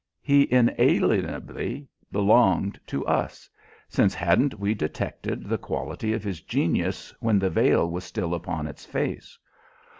He inalienably belonged to us; since hadn't we detected the quality of his genius when the veil was still upon its face?